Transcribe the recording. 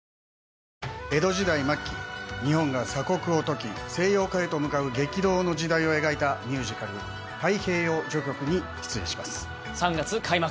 江戸時代末期、日本が鎖国を解き、西洋化へと向かう激動の時代を描いたミュージカル、太平洋序曲に３月開幕。